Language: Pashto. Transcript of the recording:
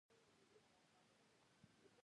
هغه د پاک مینه پر مهال د مینې خبرې وکړې.